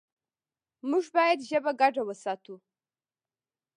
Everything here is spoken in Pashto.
موږ باید ژبه ګډه وساتو.